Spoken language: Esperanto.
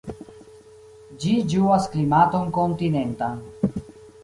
Ĝi ĝuas klimaton kontinentan.